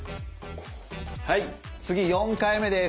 はい次４回目です。